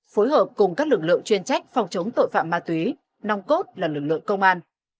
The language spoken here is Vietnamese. phối hợp cùng các lực lượng chuyên trách phòng chống tội phạm ma túy nong cốt là lực lượng công an